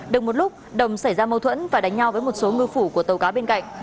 đừng một lúc đồng xảy ra mâu thuẫn và đánh nhau với một số ngư phủ của tàu cá bên cạnh